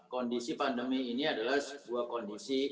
kondisi pandemi ini adalah sebuah kondisi yang sangat berbahaya